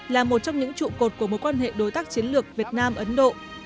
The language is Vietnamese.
là một trong những trụ cột của mối quan hệ đối tác chiến lược việt nam ấn độ